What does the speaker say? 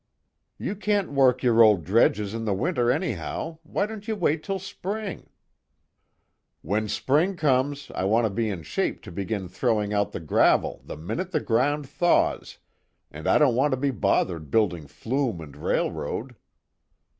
"You can't work your old dredges in the winter, anyhow, why don't you wait till spring." "When spring comes I want to be in shape to begin throwing out the gravel the minute the ground thaws, and I don't want to be bothered building flume and railroad."